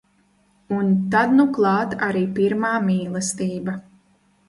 Un tad nu klāt arī pirmā mīlestība.